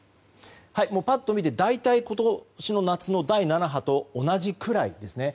パッと見て、大体今年の夏の第７波と同じくらいですね。